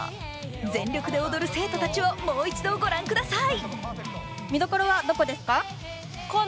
全力で踊る生徒たちをもう一度御覧ください。